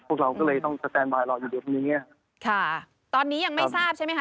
พวกเราก็เลยต้องสแตนบายรออยู่เดี๋ยวตรงเนี้ยค่ะตอนนี้ยังไม่ทราบใช่ไหมคะ